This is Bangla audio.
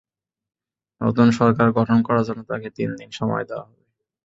নতুন সরকার গঠন করার জন্য তাঁকে তিন দিন সময় দেওয়া হবে।